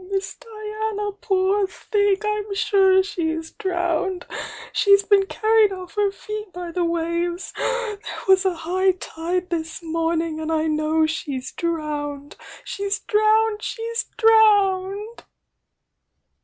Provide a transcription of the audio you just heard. Miss Diana, poor thing! I'm sure she's drowned! she's been carried o£f her feet by tiie waves!— there was a high THE YOUNG DIANA 65 tide this morning, and I know she's drowned ! She's drowned, she's drowned!"